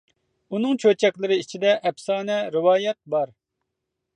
ئۇنىڭ چۆچەكلىرى ئىچىدە ئەپسانە، رىۋايەت بار.